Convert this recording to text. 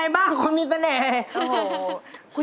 อยากจะได้แอบอิ่ง